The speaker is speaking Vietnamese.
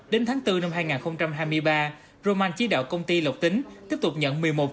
đến tháng bốn năm hai nghìn hai mươi ba roman chỉ đạo công ty lộc tính tiếp tục nhận một mươi một triệu